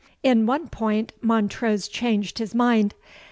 In one point Montrose changed his mind.